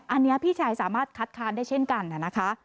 อันนี้พี่ชายสามารถคัดค้านได้เช่นกันนะคะ